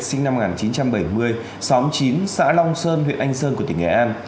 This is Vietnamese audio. sinh năm một nghìn chín trăm bảy mươi xóm chín xã long sơn huyện anh sơn của tỉnh nghệ an